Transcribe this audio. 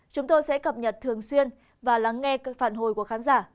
chúng tôi sẽ cập nhật thường xuyên và lắng nghe phản hồi của khán giả